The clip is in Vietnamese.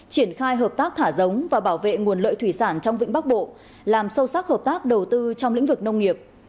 triển khai hợp tác thả giống và bảo vệ nguồn lợi thủy sản trong vĩnh bắc bộ làm sâu sắc hợp tác đầu tư trong lĩnh vực nông nghiệp